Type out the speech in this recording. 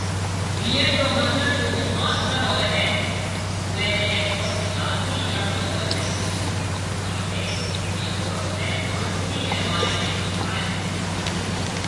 بِي۔ اَيڊ رو متلب جيڪو ماستر هوئي هيَ اُئي نَي اَي ڪورس لازمِي ڪرڻو هوئي هيَ ڪنو ڪي ايئي ڪورس ۾ ماسترِي ري باري ۾ هِيکائي هيَ۔